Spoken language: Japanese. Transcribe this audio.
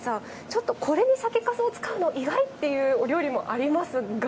ちょっとこれに酒かすを使うの意外っていうお料理もありますが。